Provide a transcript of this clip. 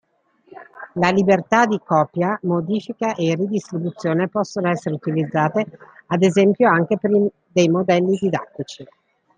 La libertà di copia, modifica e ridistribuzione possono essere utilizzate, ad esempio, anche per dei modelli didattici.